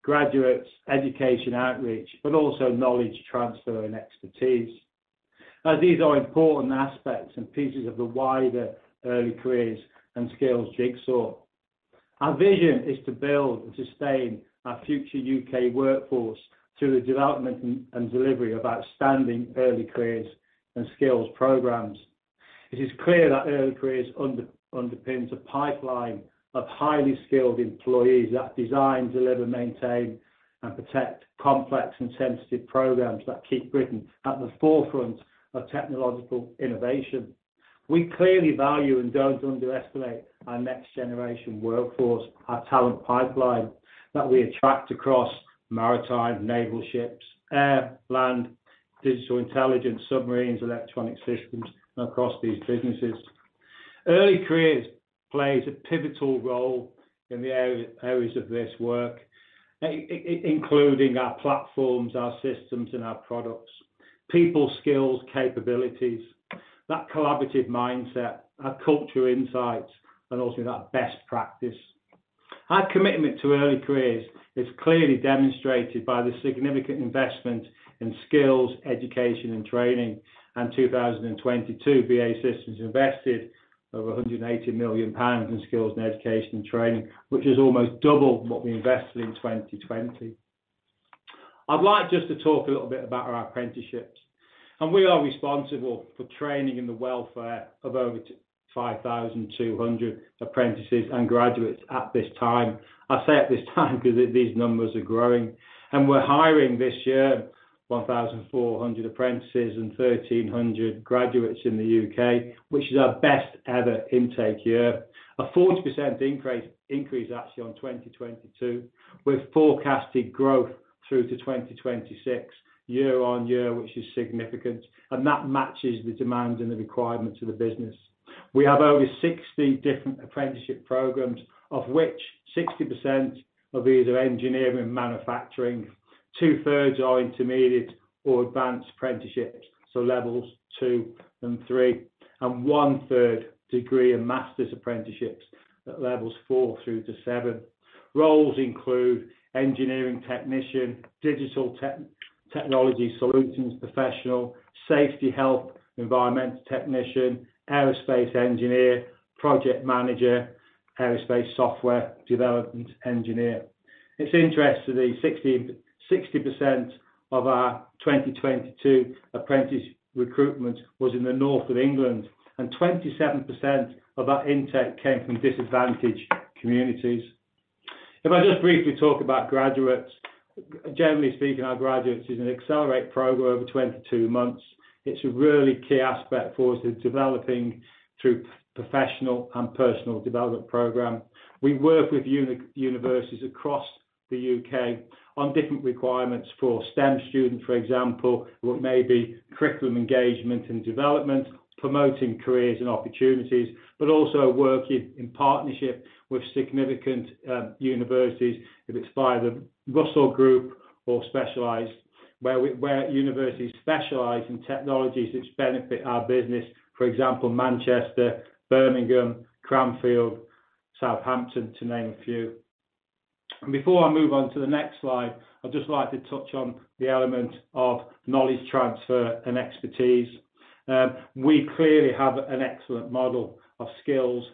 S11: graduates, education outreach, but also knowledge transfer and expertise, as these are important aspects and pieces of the wider early careers and skills jigsaw. Our vision is to build and sustain our future UK workforce through the development and delivery of outstanding early careers and skills programs. It is clear that early careers underpins a pipeline of highly skilled employees that design, deliver, maintain, and protect complex and sensitive programs that keep Britain at the forefront of technological innovation. We clearly value and don't underestimate our next generation workforce, our talent pipeline, that we attract across maritime, naval ships, air, land, digital intelligence, submarines, electronic systems, and across these businesses. Early careers plays a pivotal role in the areas of this work, including our platforms, our systems, and our products, people skills, capabilities, that collaborative mindset, our cultural insights, and also that best practice. Our commitment to early careers is clearly demonstrated by the significant investment in skills, education, and training. In 2022, BAE Systems invested over 180 million pounds in skills and education and training, which is almost double what we invested in 2020. I'd like just to talk a little bit about our apprenticeships, and we are responsible for training and the welfare of over 5,200 apprentices and graduates at this time. I say at this time because these numbers are growing, and we're hiring this year 1,400 apprentices and 1,300 graduates in the UK, which is our best ever intake year. A 40% increase, increase actually on 2022, with forecasted growth through to 2026, year on year, which is significant, and that matches the demand and the requirements of the business.... We have over 60 different apprenticeship programs, of which 60% are either engineering and manufacturing. Two-thirds are intermediate or advanced apprenticeships, so levels 2 and 3, and one-third degree and master's apprenticeships at levels 4 through to 7. Roles include engineering technician, digital technology solutions professional, safety, health, environmental technician, aerospace engineer, project manager, aerospace software development engineer. It's interesting, 60% of our 2022 apprentice recruitment was in the North of England, and 27% of that intake came from disadvantaged communities. If I just briefly talk about graduates, generally speaking, our graduates is an accelerated program over 22 months. It's a really key aspect for us in developing through professional and personal development program. We work with universities across the UK on different requirements for STEM students, for example, what may be curriculum engagement and development, promoting careers and opportunities, but also working in partnership with significant universities, if it's by the Russell Group or specialized, where universities specialize in technologies which benefit our business. For example, Manchester, Birmingham, Cranfield, Southampton, to name a few. Before I move on to the next slide, I'd just like to touch on the element of knowledge transfer and expertise. We clearly have an excellent model of skills,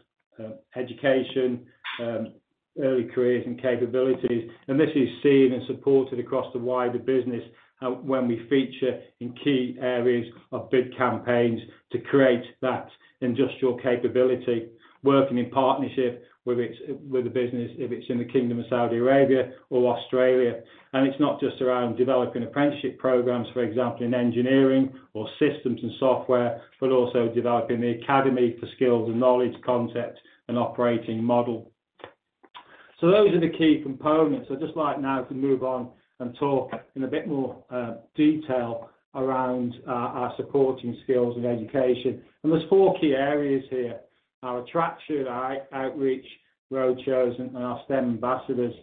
S11: education, early careers and capabilities, and this is seen and supported across the wider business, when we feature in key areas of big campaigns to create that industrial capability, working in partnership, whether it's with the business, if it's in the Kingdom of Saudi Arabia or Australia. It's not just around developing apprenticeship programs, for example, in engineering or systems and software, but also developing the Academy for Skills and Knowledge concept and operating model. Those are the key components. I'd just like now to move on and talk in a bit more detail around our supporting skills and education. There's four key areas here, our attraction, our outreach, roadshows, and our STEM ambassadors.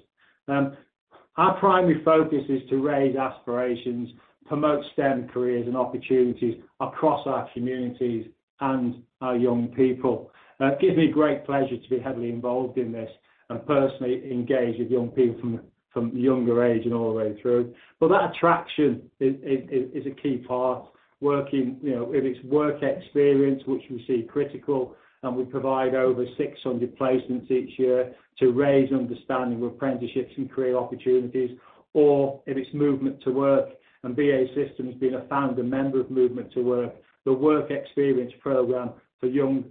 S11: Our primary focus is to raise aspirations, promote STEM careers and opportunities across our communities and our young people. It gives me great pleasure to be heavily involved in this and personally engage with young people from a younger age and all the way through. That attraction is a key part. Working, you know, if it's work experience, which we see critical, and we provide over 600 placements each year to raise understanding of apprenticeships and career opportunities, or if it's Movement to Work, and BAE Systems being a founder member of Movement to Work, the work experience program for young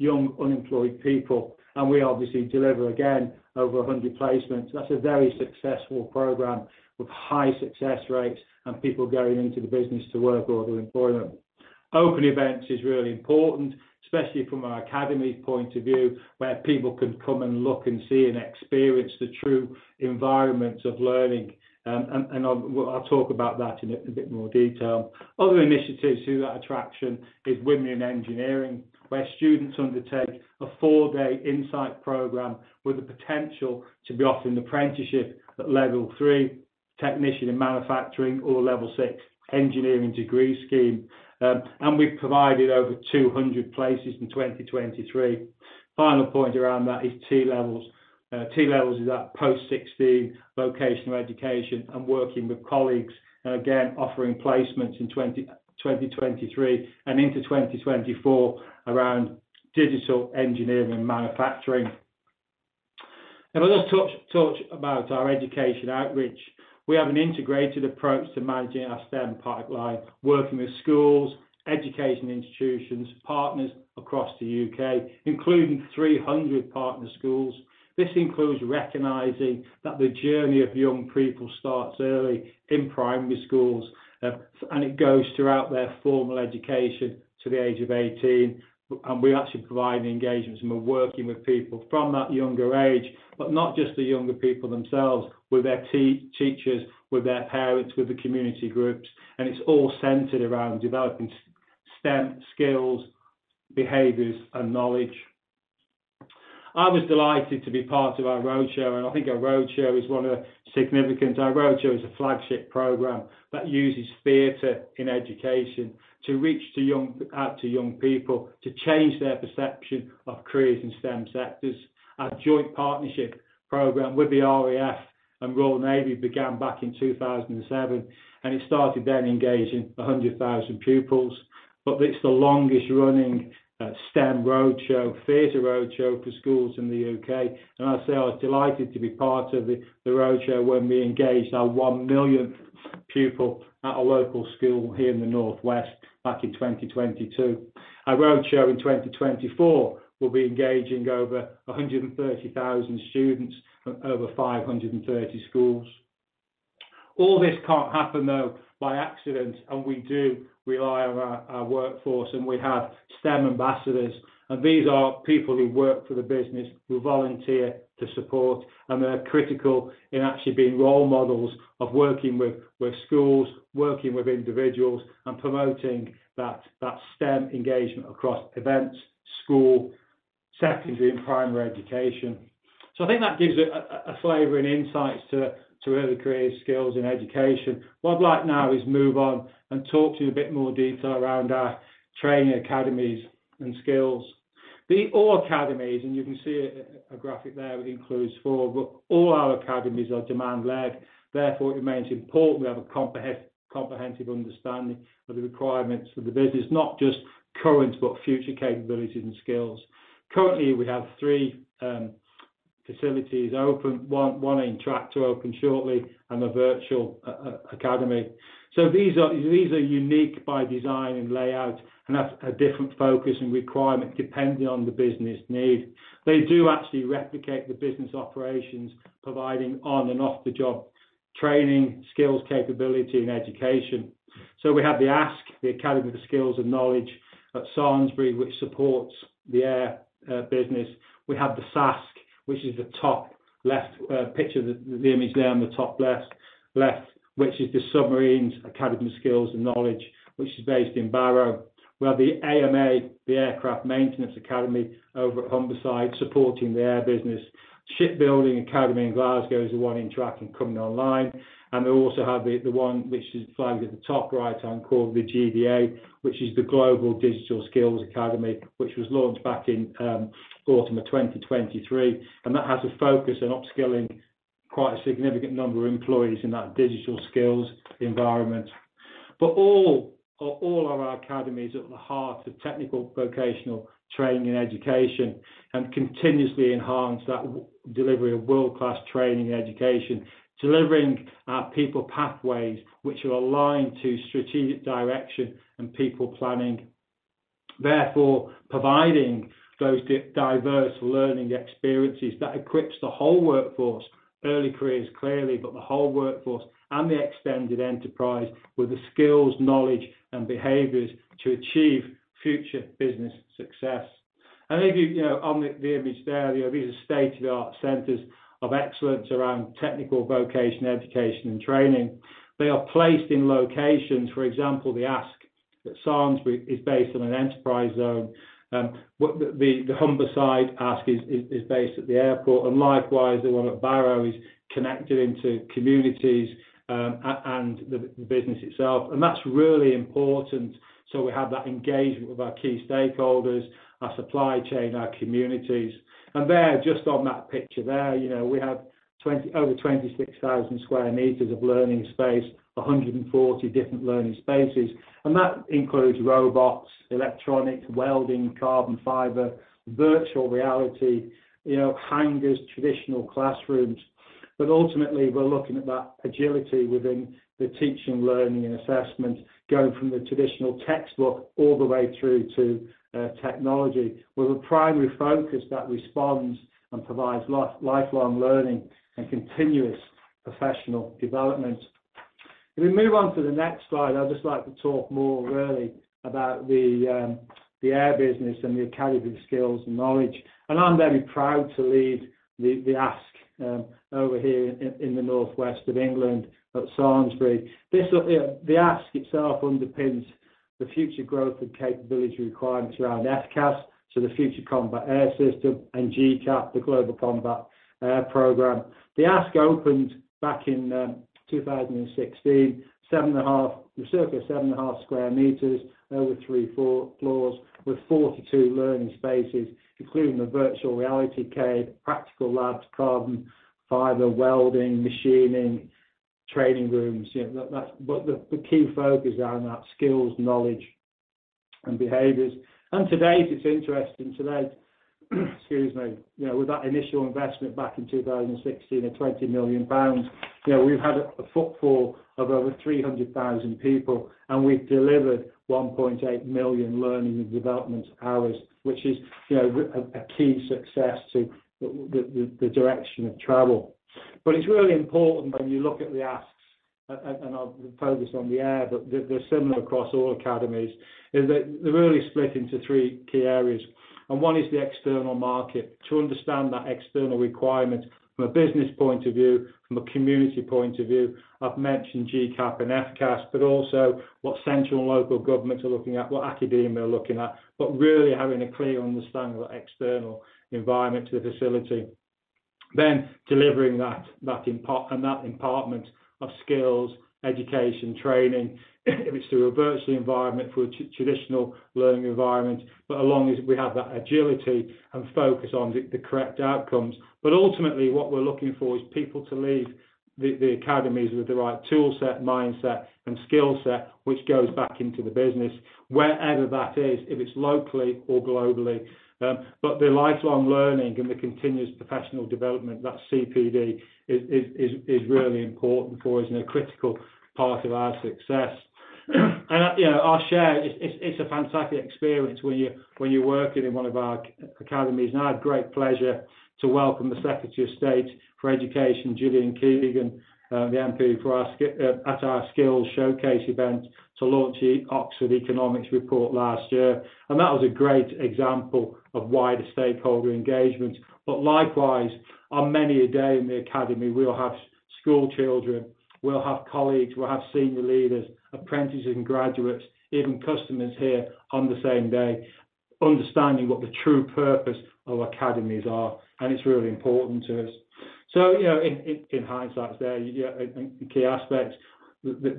S11: unemployed people, and we obviously deliver again, over 100 placements. That's a very successful program with high success rates and people going into the business to work or to employ them. Open events is really important, especially from an academy point of view, where people can come and look and see and experience the true environment of learning, and I'll talk about that in a bit more detail. Other initiatives to that attraction is Women in Engineering, where students undertake a four-day insight program with the potential to be offered an apprenticeship at level 3, technician in manufacturing, or level 6, engineering degree scheme. And we've provided over 200 places in 2023. Final point around that is T Levels. T Levels is that post-sixteen vocational education and working with colleagues, and again, offering placements in 2023 and into 2024 around digital engineering and manufacturing. I'll just touch about our education outreach. We have an integrated approach to managing our STEM pipeline, working with schools, education institutions, partners across the UK, including 300 partner schools. This includes recognizing that the journey of young people starts early in primary schools, and it goes throughout their formal education to the age of 18, and we actually provide the engagement and we're working with people from that younger age, but not just the younger people themselves, with their teachers, with their parents, with the community groups, and it's all centered around developing STEM skills, behaviors, and knowledge. I was delighted to be part of our roadshow, and I think our roadshow is a flagship program that uses theater in education to reach out to young people, to change their perception of careers in STEM sectors. Our joint partnership program with the RAF and Royal Navy began back in 2007, and it started then engaging 100,000 pupils. But it's the longest-running STEM roadshow, theater roadshow for schools in the UK. And I say I was delighted to be part of the roadshow when we engaged our 1 millionth pupil at a local school here in the Northwest back in 2022. Our roadshow in 2024 will be engaging over 130,000 students from over 530 schools. All this can't happen, though, by accident, and we do rely on our workforce, and we have STEM ambassadors, and these are people who work for the business, who volunteer to support, and they're critical in actually being role models of working with schools, working with individuals, and promoting that STEM engagement across events, school-... secondary and primary education. So I think that gives you a flavor and insights to early career skills and education. What I'd like now is move on and talk to you in a bit more detail around our training academies and skills. The all academies, and you can see a graphic there, which includes 4, but all our academies are demand-led, therefore, it remains important we have a comprehensive understanding of the requirements of the business, not just current, but future capabilities and skills. Currently, we have 3 facilities open, 1 on track to open shortly and a virtual academy. So these are unique by design and layout, and have a different focus and requirement depending on the business need. They do actually replicate the business operations, providing on and off the job, training, skills, capability, and education. So we have the ASK, the Academy for Skills and Knowledge, at Samlesbury, which supports the air business. We have the SASK, which is the top left picture, the image there on the top left, which is the Submarines Academy for Skills and Knowledge, which is based in Barrow. We have the AMA, the Aircraft Maintenance Academy, over at Humberside, supporting the air business. Shipbuilding Academy in Glasgow is the one on track and coming online. And we also have the one which is flagged at the top right and called the GDA, which is the Global Digital Skills Academy, which was launched back in autumn of 2023, and that has a focus on upskilling quite a significant number of employees in that digital skills environment. But all of our academies are at the heart of technical vocational training and education, and continuously enhance that delivery of world-class training and education, delivering our people pathways, which are aligned to strategic direction and people planning. Therefore, providing those diverse learning experiences that equips the whole workforce, early careers clearly, but the whole workforce and the extended enterprise, with the skills, knowledge, and behaviors to achieve future business success. And if you know, on the image there, these are state-of-the-art centers of excellence around technical vocational education and training. They are placed in locations, for example, the ASK at Samlesbury is based on an enterprise zone. The Humberside ASK is based at the airport, and likewise, the one at Barrow is connected into communities and the business itself. That's really important, so we have that engagement with our key stakeholders, our supply chain, our communities. There, just on that picture there, you know, we have over 26,000 square meters of learning space, 140 different learning spaces, and that includes robots, electronics, welding, carbon fiber, virtual reality, you know, hangars, traditional classrooms. But ultimately, we're looking at that agility within the teaching, learning and assessment, going from the traditional textbook all the way through to technology, with a primary focus that responds and provides lifelong learning and continuous professional development. If we move on to the next slide, I'd just like to talk more really about the air business and the Academy Skills and Knowledge. I'm very proud to lead the ASK over here in the northwest of England at Samlesbury. This look... The ASK itself underpins the future growth and capability requirements around FCAS, so the Future Combat Air System, and GCAP, the Global Combat Program. The ASK opened back in 2016, 7.5—was circa 7.5 sq m, over 3-4 floors, with 42 learning spaces, including the virtual reality cave, practical labs, carbon fiber, welding, machining, training rooms. You know, that, that's what the key focus are on that, skills, knowledge, and behaviors. Today, it's interesting. Today, excuse me, you know, with that initial investment back in 2016 of 20 million pounds, you know, we've had a footfall of over 300,000 people, and we've delivered 1.8 million learning and development hours, which is, you know, a key success to the direction of travel. But it's really important when you look at the asks, and I'll focus on the air, but they're similar across all academies, is that they're really split into three key areas. And one is the external market, to understand that external requirement from a business point of view, from a community point of view. I've mentioned GCAP and FCAS, but also what central and local governments are looking at, what academia are looking at, but really having a clear understanding of the external environment to the facility. Then delivering that impartment of skills, education, training, if it's through a virtual environment, through a traditional learning environment, but as long as we have that agility and focus on the correct outcomes. But ultimately, what we're looking for is people to leave the academies with the right tool set, mindset, and skill set, which goes back into the business, wherever that is, if it's locally or globally. The lifelong learning and the continuous professional development, that CPD, is really important for us and a critical part of our success. You know, I'll share, it's a fantastic experience when you're working in one of our academies. I had great pleasure to welcome the Secretary of State for Education, Gillian Keegan, the MP, to our skills showcase event to launch the Oxford Economics Report last year. That was a great example of wider stakeholder engagement. Likewise, on many a day in the academy, we'll have s-... School children, we'll have colleagues, we'll have senior leaders, apprentices, and graduates, even customers here on the same day, understanding what the true purpose of academies are, and it's really important to us. So, you know, in hindsight there, yeah, I think the key aspects that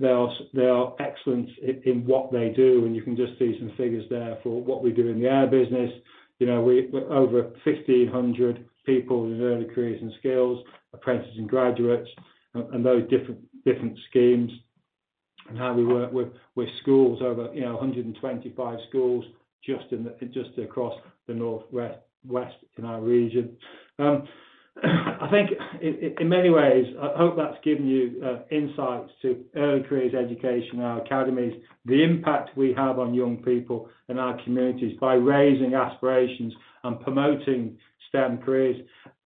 S11: they are excellent in what they do, and you can just see some figures there for what we do in the air business. You know, we- over 1,500 people in early careers and skills, apprentices and graduates, and those different schemes, and how we work with schools over, you know, 125 schools just in the, just across the northwest in our region. I think in many ways, I hope that's given you insights to early careers education in our academies, the impact we have on young people and our communities by raising aspirations and promoting STEM careers,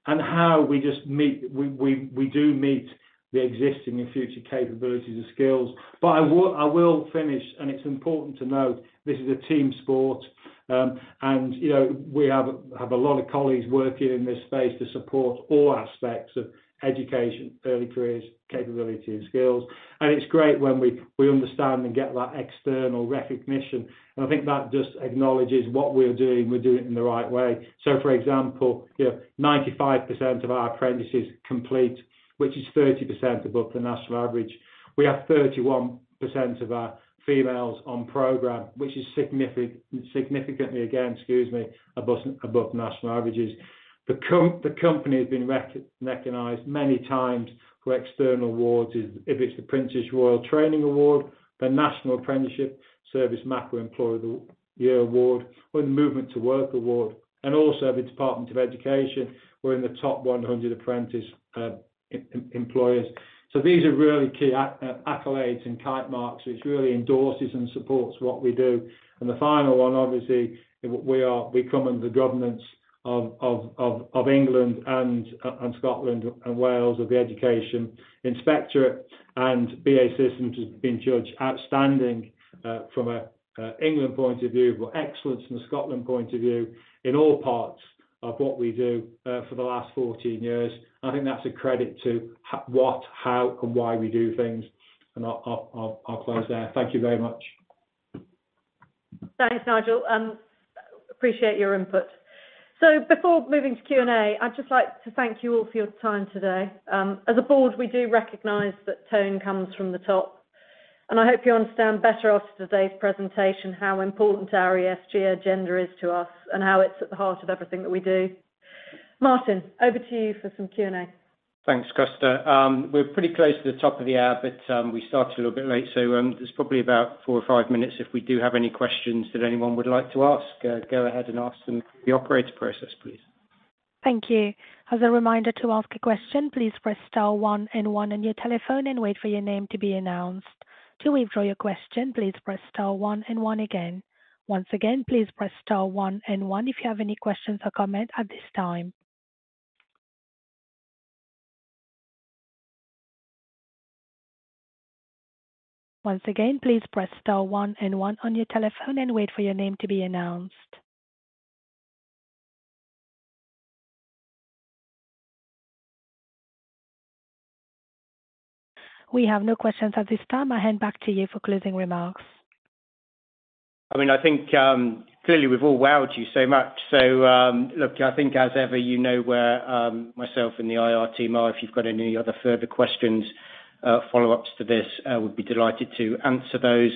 S11: and how we just meet, we do meet the existing and future capabilities and skills. But I will finish, and it's important to note, this is a team sport, and, you know, we have a lot of colleagues working in this space to support all aspects of education, early careers, capability and skills. And it's great when we understand and get that external recognition, and I think that just acknowledges what we're doing, we're doing it in the right way. So, for example, you know, 95% of our apprentices complete, which is 30% above the national average. We have 31% of our females on program, which is significantly, again, excuse me, above national averages. The company has been recognized many times for external awards. If it's the Princess Royal Training Award, the National Apprenticeship Service Macro Employer of the Year award, or the Movement to Work award, and also the Department for Education, we're in the top 100 apprentice employers. So these are really key accolades and kite marks, which really endorses and supports what we do. And the final one, obviously, we come under the governance of England and Scotland and Wales, of the Education Inspectorate, and BAE Systems has been judged outstanding from a England point of view, but excellence from a Scotland point of view, in all parts of what we do, for the last 14 years. I think that's a credit to what, how, and why we do things, and I'll close there. Thank you very much.
S3: Thanks, Nigel. Appreciate your input. So before moving to Q&A, I'd just like to thank you all for your time today. As a board, we do recognize that tone comes from the top, and I hope you understand better after today's presentation, how important our ESG agenda is to us and how it's at the heart of everything that we do. Martin, over to you for some Q&A.
S2: Thanks, Cressida. We're pretty close to the top of the hour, but we started a little bit late, so there's probably about four or five minutes if we do have any questions that anyone would like to ask. Go ahead and ask them through the operator process, please.
S1: Thank you. As a reminder to ask a question, please press star one and one on your telephone and wait for your name to be announced. To withdraw your question, please press star one and one again. Once again, please press star one and one if you have any questions or comments at this time. Once again, please press star one and one on your telephone and wait for your name to be announced. We have no questions at this time. I hand back to you for closing remarks.
S2: I mean, I think clearly, we've all wowed you so much. So, look, I think as ever, you know, where myself and the IR team are, if you've got any other further questions, follow-ups to this, we'd be delighted to answer those.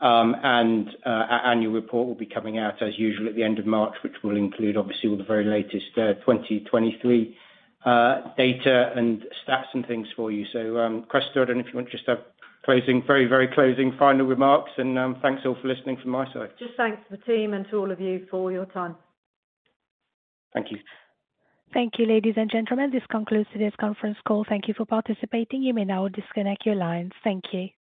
S2: And, our annual report will be coming out as usual at the end of March, which will include obviously all the very latest, 2023 data and stats and things for you. So, Krista, I don't know if you want just to have closing, very, very closing final remarks, and thanks all for listening from my side.
S3: Just thanks to the team and to all of you for your time.
S2: Thank you.
S1: Thank you, ladies and gentlemen. This concludes today's conference call. Thank you for participating. You may now disconnect your lines. Thank you. Bye.